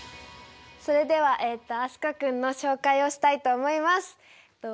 それでは飛鳥君の紹介をしたいと思います。